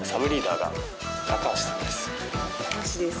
高橋です。